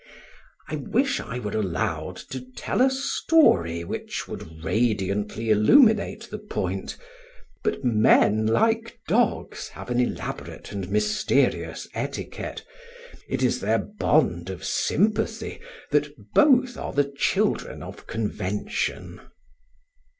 I wish I were allowed to tell a story which would radiantly illuminate the point; but men, like dogs, have an elaborate and mysterious etiquette. It is their bond of sympathy that both are the children of convention.